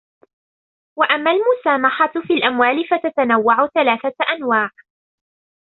وَأَمَّا الْمُسَامَحَةُ فِي الْأَمْوَالِ فَتَتَنَوَّعُ ثَلَاثَةَ أَنْوَاعٍ